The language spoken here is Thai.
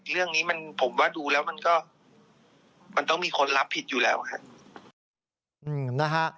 เรื่องนี้มันผมว่าดูแล้วมันก็มันต้องมีคนรับผิดอยู่แล้วครับนะฮะ